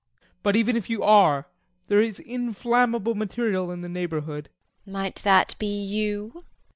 But even if you are, there is inflammable material in the neighborhood. JULIE. Might that be you?